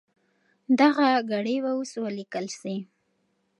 دغه ګړې به اوس ولیکل سي.